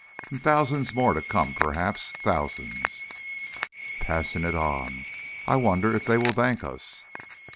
And thousands more to come perhaps thousands! "Passing it on. I wonder if they will thank us."